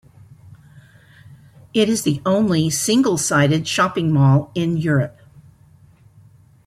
It is the only single-sided shopping mall in Europe.